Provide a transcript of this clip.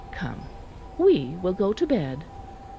Come, we will go to bed."